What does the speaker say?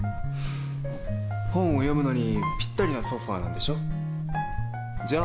本を読むのにぴったりのソファーなんでしょじゃあ